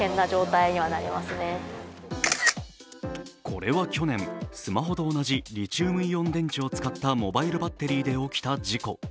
これは去年、スマホと同じリチウムイオン電池を使ったモバイルバッテリーで起きた事故。